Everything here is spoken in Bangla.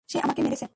সে আমাকে মেরেছে!